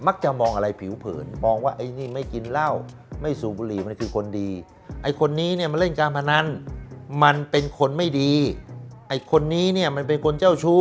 มักจะมองอะไรผิวเผลอ